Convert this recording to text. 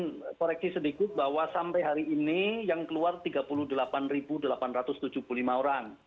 saya ingin koreksi sedikit bahwa sampai hari ini yang keluar tiga puluh delapan delapan ratus tujuh puluh lima orang